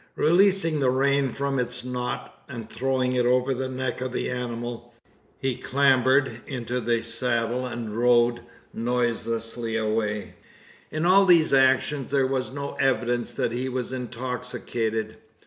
Releasing the rein from its knot, and throwing it over the neck of the animal, he clambered into the saddle, and rode noiselessly away. In all these actions there was no evidence that he was intoxicated.